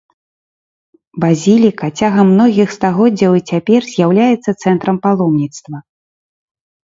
Базіліка цягам многіх стагоддзяў і цяпер з'яўляецца цэнтрам паломніцтва.